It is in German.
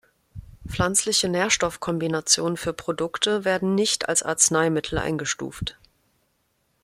Pflanzliche Nährstoffkombinationen für Produkte werden nicht als Arzneimittel eingestuft.